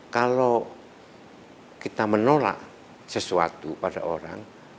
kalau kita menolak sesuatu pada orang